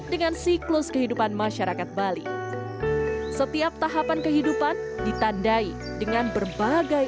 dengan siklus kehidupan masyarakat bali setiap tahapan kehidupan ditandai dengan berbagai